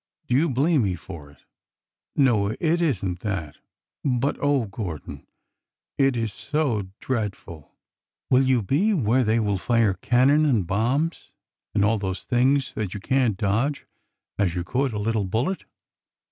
Do you blame me for it ?'' No. It is nl that. But oh, Gordon, it is so dread ful ! Will you be where they will fire cannon and bombs and all those things that you canl dodge as you could a little bullet?